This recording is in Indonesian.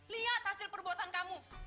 lihat hasil perbuatan kamu